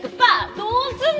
どうすんだ！？